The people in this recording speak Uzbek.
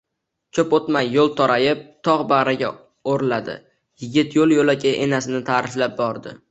Koʼp oʼtmay yoʼl torayib, togʼ bagʼriga oʼrladi. Yigit yoʼl-yoʼlakay enasini taʼriflab bordi.